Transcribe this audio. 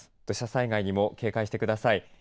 土砂災害にも警戒してください。